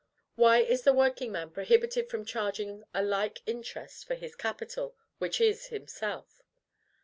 Why is the workingman prohibited from charging a like interest for his capital, which is himself?